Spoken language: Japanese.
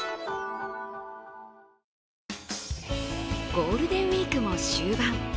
ゴールデンウイークも終盤。